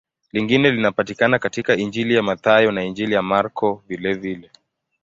Lingine linapatikana katika Injili ya Mathayo na Injili ya Marko vilevile.